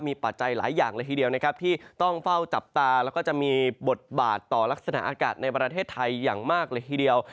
มีปัจจัยหลายอย่างเลยทีเดียวนะครับที่ต้องเฝ้าจับตาแล้วก็จะมีบทบาทต่อลักษณะอากาศในประเทศไทยอย่างมากเลยทีเดียว